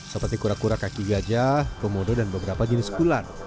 seperti kura kura kaki gajah komodo dan beberapa jenis ular